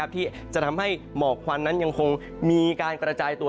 ที่จะทำให้หมอกควันนั้นยังคงมีการกระจายตัว